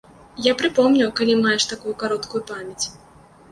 Я прыпомню, калі маеш такую кароткую памяць.